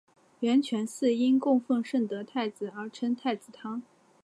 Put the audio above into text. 圆泉寺因供奉圣德太子而称太子堂。